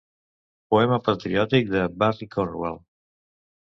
Poema patriòtic de Barry Cornwall.